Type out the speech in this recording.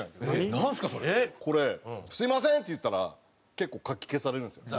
「すみません！」って言ったら結構かき消されるんですよ。